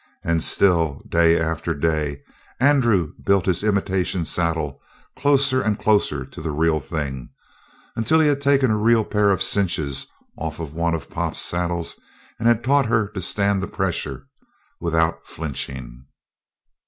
And still, day after day, Andrew built his imitation saddle closer and closer to the real thing, until he had taken a real pair of cinches off one of Pop's saddles and had taught her to stand the pressure without flinching.